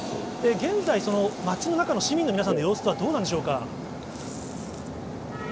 現在、街の中の市民の皆さんの様子というのはどうなんでしょうか？